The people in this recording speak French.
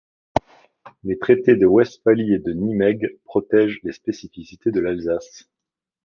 Les traités de Westphalie et de Nimègue protègent les spécificités de l'Alsace.